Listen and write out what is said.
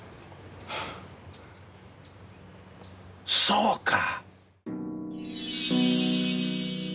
そうか！